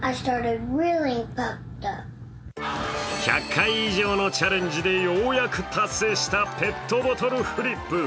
１００回以上のチャレンジでようやく達成したペットボトルフリップ。